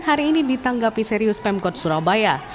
hari ini ditanggapi serius pemkot surabaya